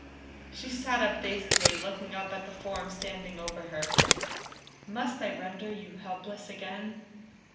She sat dazedly looking up at the form standing over her. "Must I render you helpless again?"